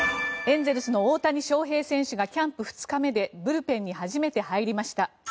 エンゼルスの大谷翔平選手がキャンプ２日目でブルペンに初めて入りました。